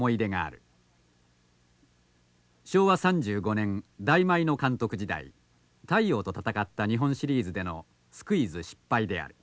昭和３５年大毎の監督時代大洋と戦った日本シリーズでのスクイズ失敗である。